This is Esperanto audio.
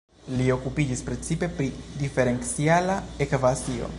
Li okupiĝis precipe pri Diferenciala ekvacio.